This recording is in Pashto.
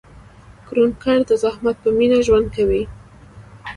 کروندګر د زحمت په مینه ژوند کوي